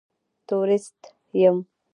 تورېست یم.